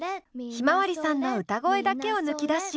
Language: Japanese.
ひまわりさんの歌声だけを抜き出し。